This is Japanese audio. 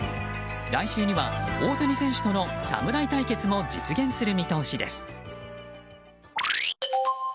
来週には大谷選手との侍対決も実現する見通しです。